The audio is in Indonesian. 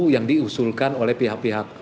yang diusulkan oleh pihak pihak